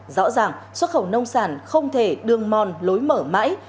rõ ràng xuất khẩu nông sản không thể đường mòn lối mở mãi